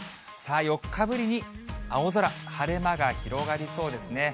４日ぶりに青空、晴れ間が広がりそうですね。